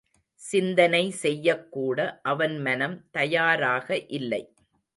சிந்தனை செய்யக்கூட அவன் மனம் தயாராக இல்லை.